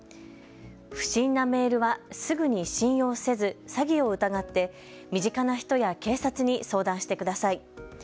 不審なメールはすぐに信用せず、詐欺を疑って、身近な人や警察に相談してください。